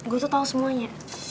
gue tuh tau semuanya